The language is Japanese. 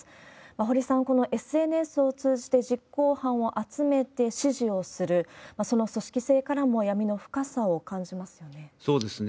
堀さん、このＳＮＳを通じて実行犯を集めて指示をする、その組織性からも、闇の深さを感じますよね。